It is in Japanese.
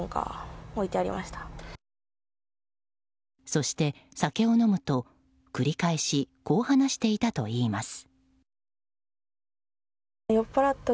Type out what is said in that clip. そして、酒を飲むと繰り返しこう話していたといいます。